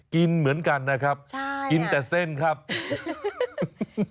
กินเหมือนกันนะครับกินแต่เส้นครับพี่ชนะใช่อ่ะ